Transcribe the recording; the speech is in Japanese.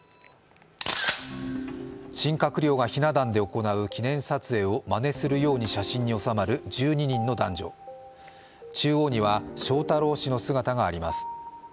新閣僚がひな壇で行う記念撮影をまねするように写真に収まる１２人の男女、中央には翔太郎氏の姿があります。